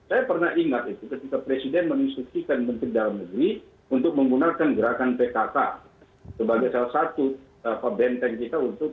saya pernah ingat itu ketika presiden menginstruksikan menteri dalam negeri untuk menggunakan gerakan pkk sebagai salah satu benteng kita untuk